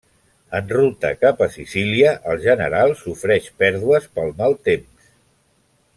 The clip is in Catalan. En ruta cap a Sicília, el general sofreix pèrdues pel mal temps.